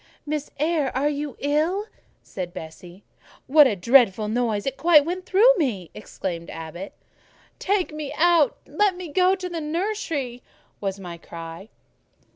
"Miss Eyre, are you ill?" said Bessie. "What a dreadful noise! it went quite through me!" exclaimed Abbot. "Take me out! Let me go into the nursery!" was my cry.